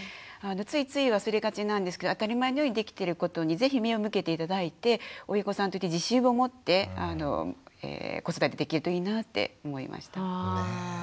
ついつい忘れがちなんですけど当たり前のようにできていることに是非目を向けて頂いて親御さんとして自信を持って子育てできるといいなって思いました。